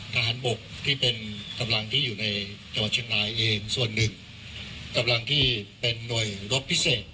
ทหารบกที่เป็นกำลังที่อยู่ในจังหวัดเชียงรายเองส่วนหนึ่งกำลังที่เป็นหน่วยรบพิเศษ